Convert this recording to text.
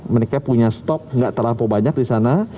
mereka punya stok gak terlalu banyak di sana